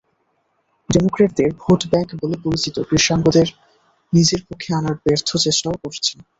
ডেমোক্র্যাটদের vote bank বলে পরিচিত কৃষ্ণাঙ্গদের নিজের পক্ষে আনার ব্যর্থ চেষ্টাও করছেন।